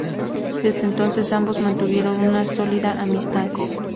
Desde entonces ambos mantuvieron una sólida amistad.